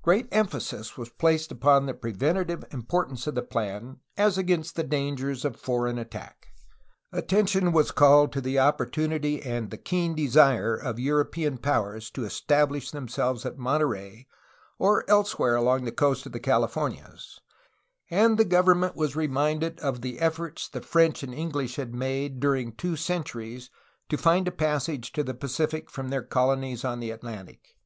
Great emphasis was placed upon the preventive importance of the plan as against the dangers of foreign attack. Attention was called to the opportimity and the keen desire of European powers to es tablish themselves at Monterey or elsewhere along the coast of the Californias, and the government was reminded of the efforts the French and English had made during two centuries to find a passage to the Pacific from their colonies on the Atlantic.